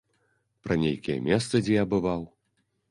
Пра нейкія месцы, дзе я бываў.